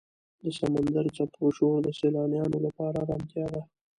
د سمندر څپو شور د سیلانیانو لپاره آرامتیا ده.